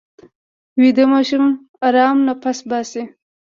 ویده ماشوم ارام نفس باسي